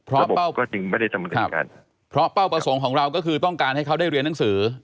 ระบบก็จริงไม่ได้จำคิดอย่างงั้นครับเพราะเป้าประสงค์ของเราก็คือต้องการให้เขาได้เรียนหนังสือ